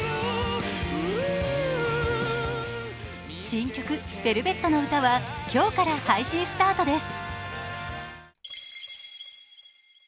新曲「ベルベットの詩」は今日から配信スタートです。